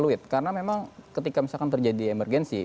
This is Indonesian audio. karena memang ketika misalkan terjadi emergensi